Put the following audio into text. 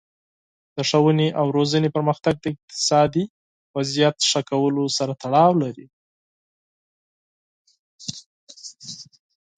د ښوونې او روزنې پرمختګ د اقتصادي وضعیت ښه کولو سره تړاو لري.